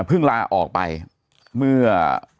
เพิ่งลาออกไปเมื่อ